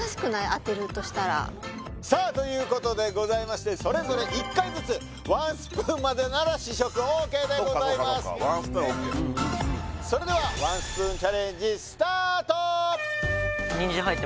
当てるとしたらさあということでございましてそれぞれ１回ずつワンスプーンまでなら試食ＯＫでございますそうかそうかそうかワンスプーンＯＫなんだそれではワンスプーンチャレンジスタート！